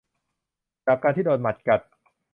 จากการที่โดนหมัดกัด